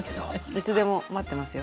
いつでも待ってますよ。